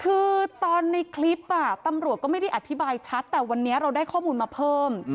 คือตอนในคลิปตำรวจก็ไม่ได้อธิบายชัดแต่วันนี้เราได้ข้อมูลมาเพิ่ม